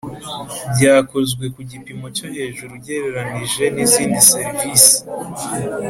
Byakozwe ku gipimo cyo hejuru ugereranije n ‘izindi serivisi.